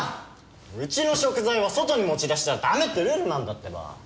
うちの食材は外に持ち出したらダメってルールなんだってば！